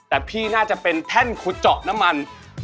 แต่พี่น่าจะเป็นแท่นขุดเจาะน้ำมัน